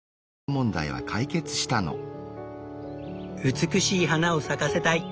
美しい花を咲かせたい！